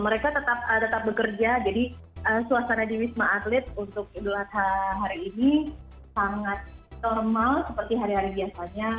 mereka tetap bekerja jadi suasana di wisma atlet untuk idul adha hari ini sangat normal seperti hari hari biasanya